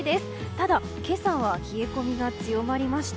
ただ、今朝は冷え込みが強まりました。